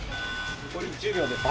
残り１０秒です。